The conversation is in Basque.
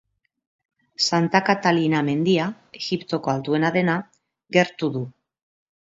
Santa Katalina mendia, Egiptoko altuena dena, gertu du.